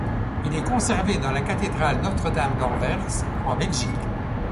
Il est conservé dans la cathédrale Notre-Dame d'Anvers en Belgique.